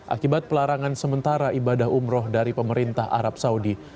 akibat pelarangan sementara ibadah umroh dari pemerintah arab saudi